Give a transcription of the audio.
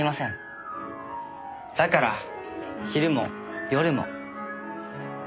だから昼も夜も。